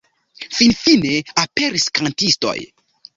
Finfine aperis kantistoj.